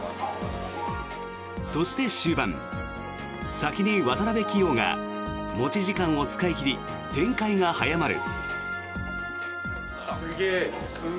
そして、終盤先に渡辺棋王が持ち時間を使い切り展開が早まる。